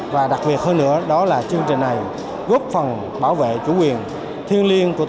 và đặc biệt hơn nữa đó là chương trình này góp phần bảo vệ chủ quyền thiên liên